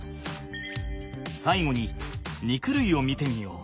さいごに肉類を見てみよう。